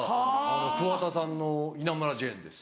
桑田さんの『稲村ジェーン』です。